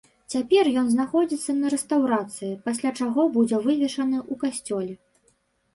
Цяпер ён знаходзіцца на рэстаўрацыі, пасля чаго будзе вывешаны ў касцёле.